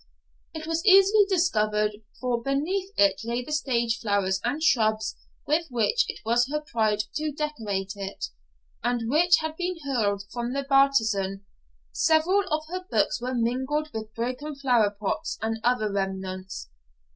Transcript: It was easily discovered, for beneath it lay the stage flowers and shrubs with which it was her pride to decorate it, and which had been hurled from the bartizan; several of her books were mingled with broken flower pots and other remnants.